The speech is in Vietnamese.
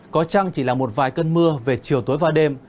có chăng chỉ là một vài cơn mưa về chiều tối và đêm